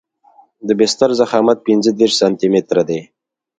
د بستر ضخامت پنځه دېرش سانتي متره دی